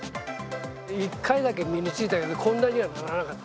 一回だけ実がついたけど、こんなにはならなかった。